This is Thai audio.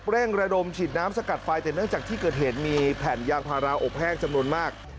เร่งระดมฉีดน้ำสกัดไฟแต่เนื่องจากที่เกิดเหตุมีแผ่นยางพาราอบแห้งจำนวนมาก